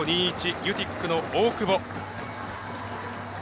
ユティック、大久保。